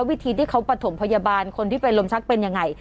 วิธีที่เขาประถมพยาบาลคนที่เป็นลมชักเป็นยังไง